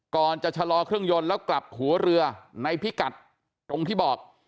ก่อนจะชะลอเครื่องยนต์แล้วกลับหัวเรือในพิกัดตรงที่บอก